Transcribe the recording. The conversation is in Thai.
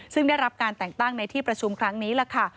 ซึ่งได้รับการแต่งตั้งในที่ประชุมครั้งนี้ล่ะค่ะ